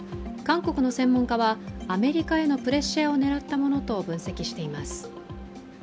韓国の専門家は、アメリカへのプレッシャーを狙ったものと分析しています。